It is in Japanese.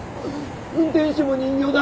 運転手も人形だ！